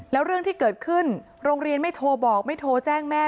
แล้วเรื่องที่เกิดขึ้นโรงเรียนไม่โทรบอกไม่โทรแจ้งแม่